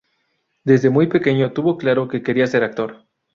Desde muy pequeño tuvo claro que quería ser actor.